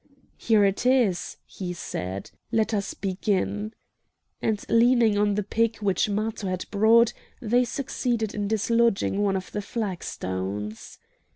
"Here it is," he said; "let us begin!" And leaning on the pick which Matho had brought they succeeded in dislodging one of the flagstones.